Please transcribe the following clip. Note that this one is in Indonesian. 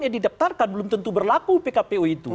yang didaptarkan belum tentu berlaku pkp u itu